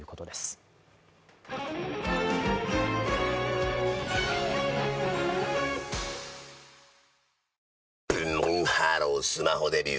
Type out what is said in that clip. ブンブンハロースマホデビュー！